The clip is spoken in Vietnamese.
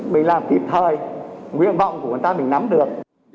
mình làm kịp thời nguyện vọng của người ta mình nắm được